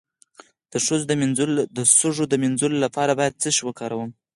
د سږو د مینځلو لپاره باید څه شی وکاروم؟